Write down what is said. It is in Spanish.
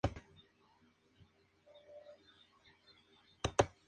El juego está ambientado en la ciudad de Washington.